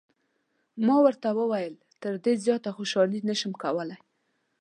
ما ورته وویل: تر دې زیاته خوشحالي نه شم کولای.